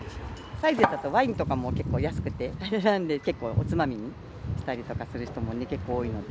サイゼだとワインとかも結構安くて、なんで結構、おつまみにしたりとかする人も結構多いので。